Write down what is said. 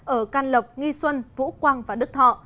ở can lộc nghi xuân vũ quang và đức thọ